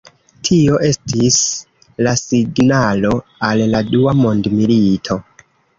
Tio estis la signalo al la dua mondmilito.